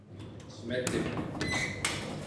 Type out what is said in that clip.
湿ってる